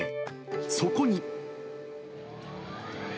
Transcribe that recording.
そこに。